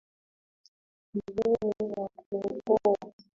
ni wewe wa kuokoa